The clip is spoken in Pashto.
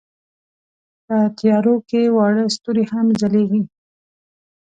په تیارو کې واړه ستوري هم ځلېږي.